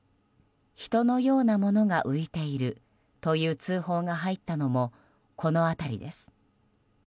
人のようなものが浮いているという通報が入ったのもこの辺りです。